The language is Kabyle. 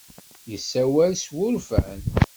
Yessawal s wurfan.